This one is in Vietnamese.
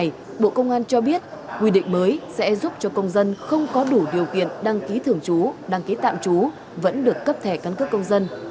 lý giải thêm về việc sửa đổi này bộ công an cho biết quy định mới sẽ giúp cho công dân không có đủ điều kiện đăng ký thường trú đăng ký tạm trú vẫn được cấp thẻ căn cướp công an